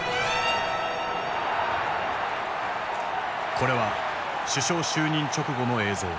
これは首相就任直後の映像。